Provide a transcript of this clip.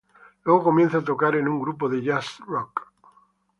Luego comienza a tocar en un grupo de jazz rock.